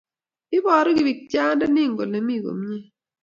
Ibaru pikchayandani kole mi komnyei